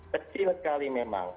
kecil sekali memang